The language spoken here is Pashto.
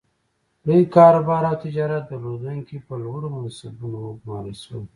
لوی کاروبار او تجارت درلودونکي په لوړو منصبونو وګومارل شول.